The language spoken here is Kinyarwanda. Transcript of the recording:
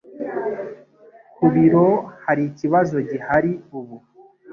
Ku biro hari ikibazo gihari ubu